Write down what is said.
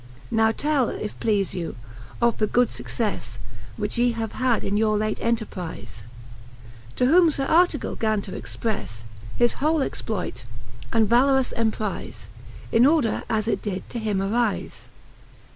V. Now tell, if pleafe you, of the good fuccefle, Which ye have had in your late enterprize. To whom Sir Artegall gan to exprefle His whole exploite, and valorous emprize, In order as it did to him arize.